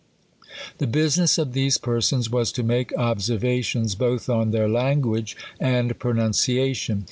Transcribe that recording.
^ The business of these persons was to make observa tions both on their language and pronunciation.